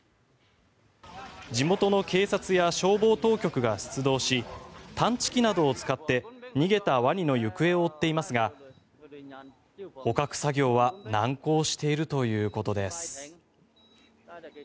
地元の警察や消防当局が出動し探知機などを使って逃げたワニの行方を追っていますが捕獲作業は難航しているということです。